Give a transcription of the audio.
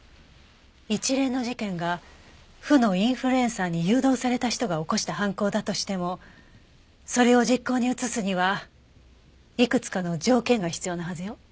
一連の事件が負のインフルエンサーに誘導された人が起こした犯行だとしてもそれを実行に移すにはいくつかの条件が必要なはずよ。